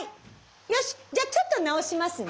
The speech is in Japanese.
よしじゃあちょっと直しますね。